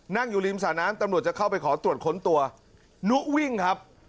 อยู่ริมสระน้ำตำรวจจะเข้าไปขอตรวจค้นตัวนุวิ่งครับ